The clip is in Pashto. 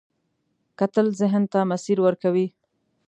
کتل ذهن ته مسیر ورکوي